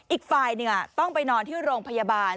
อีกฝ่ายหนึ่งต้องไปนอนที่โรงพยาบาล